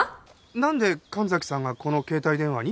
なんで神崎さんがこの携帯電話に？